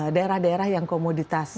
daerah daerah yang komoditas